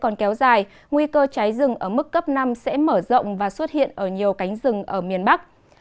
còn kéo dài nguy cơ cháy rừng ở mức cấp năm sẽ mở rộng và xuất hiện ở nhiều cánh rừng ở miền bắc